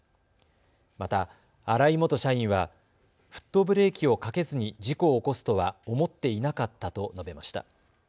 また、荒井元社員はフットブレーキをかけずに事故を起こすとは思っていなかったと述べました。